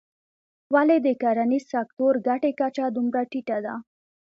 ولې د کرنیز سکتور ګټې کچه دومره ټیټه ده.